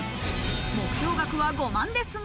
目標額は５万ですが。